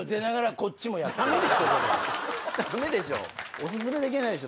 おすすめできないでしょ。